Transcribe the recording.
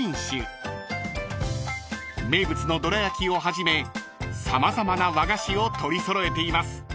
［名物のどら焼きをはじめ様々な和菓子を取り揃えています］